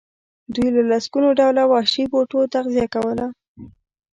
دوی له لسګونو ډوله وحشي بوټو تغذیه کوله.